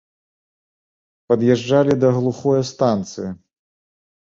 Пад'язджалі да глухое станцыі.